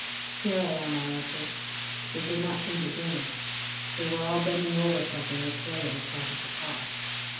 "Here I am," I answered, but they did not seem to hear me. They were all bending over something which lay in front of the car.